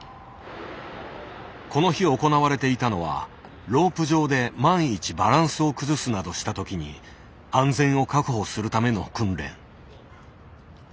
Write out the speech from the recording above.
この日行われていたのはロープ上で万一バランスを崩すなどした時に安全を確保するための訓練。